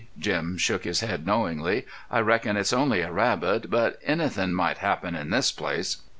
Jim shook his head knowingly. "I reckon it's only a rabbit, but anythin' might happen in this place."